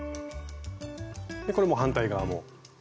これもう反対側も。